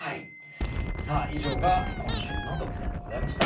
さあ以上が今週の特選でございました。